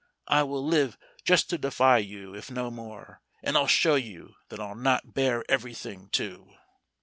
I will live just to defy you, if no more. And I'll show you that I'll not bear everything, too."